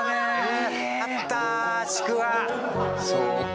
そうか。